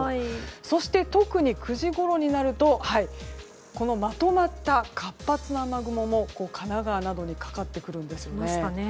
そして特に９時ごろになるとまとまった活発な雨雲も神奈川などにかかってくるんですね。